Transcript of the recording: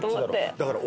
だから。